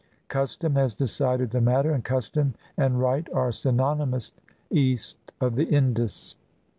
Custom has decided the matter, and custom and right are synonymous east of the Indus.